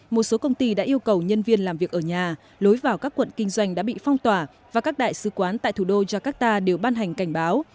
một số công ty đã yêu cầu nhân viên làm việc ở nhà lối vào các quận kinh doanh đã bị phong tỏa và các đại sứ quán tại thủ đô jakarta đều ban hành cảnh báo